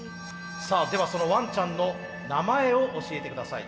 ではそのワンちゃんの名前を教えて下さい。